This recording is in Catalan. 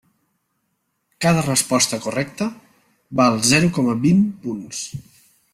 Cada resposta correcta val zero coma vint punts.